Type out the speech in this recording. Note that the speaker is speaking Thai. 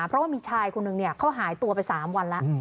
เพราะว่ามีชายคนหนึ่งเขาหายตัวไป๓วันแล้ว